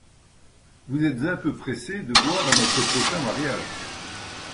Vous êtes un peu pressé de boire à notre prochain mariage…